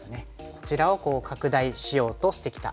こちらを拡大しようとしてきた局面です。